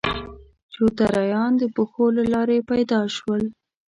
شودرایان د پښو له لارې پیدا شول.